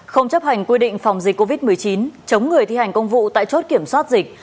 không chấp hành quy định phòng dịch covid một mươi chín chống người thi hành công vụ tại chốt kiểm soát dịch